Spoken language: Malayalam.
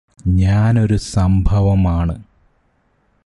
ഞാനൊരു സംഭവം ആണ്